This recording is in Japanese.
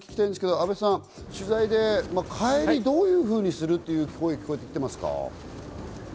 阿部さん、帰りどういうふうにするという声が出てきていますか？